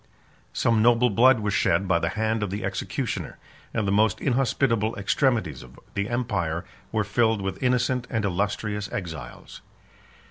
Some noble blood was shed by the hand of the executioner; and the most inhospitable extremities of the empire were filled with innocent and illustrious exiles.